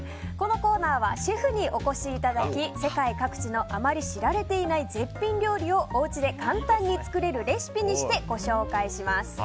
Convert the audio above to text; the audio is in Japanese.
このコーナーはシェフにお越しいただき世界各地のあまり知られていない絶品料理をおうちで簡単に作れるレシピにして、ご紹介します。